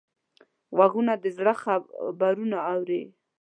غوږونه د زړه خبرونه اوري